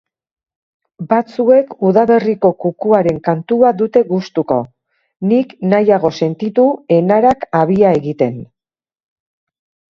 Batzuek udaberriko kukuaren kantua dute gustuko. Nik nahiago sentitu enarak habia egiten.